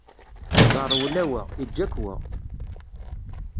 Ẓerwel a wa, iǧǧa-k wa!